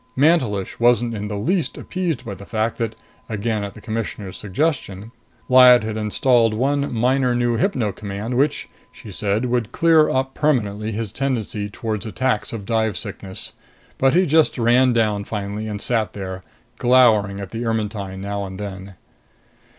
Mantelish wasn't in the least appeased by the fact that again at the Commissioner's suggestion Lyad had installed one minor new hypno command which, she said, would clear up permanently his tendency toward attacks of dive sickness. But he just ran down finally and sat there, glowering at the Ermetyne now and then.